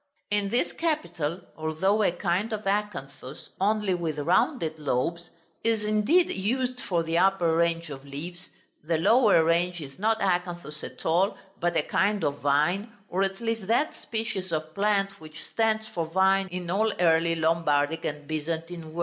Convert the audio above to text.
In this capital, although a kind of acanthus (only with rounded lobes) is indeed used for the upper range of leaves, the lower range is not acanthus at all, but a kind of vine, or at least that species of plant which stands for vine in all early Lombardic and Byzantine work (vide Vol. I.